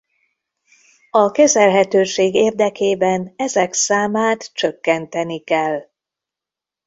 A kezelhetőség érdekében ezek számát csökkenteni kell.